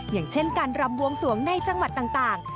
อย่างเช่นการรำบวงสวงในจังหวัดต่าง